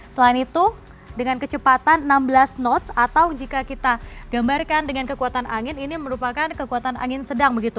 selain itu dengan kecepatan enam belas knots atau jika kita gambarkan dengan kekuatan angin ini merupakan kekuatan angin sedang begitu